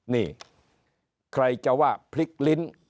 นี่ใครจะว่าพลิกลิ้น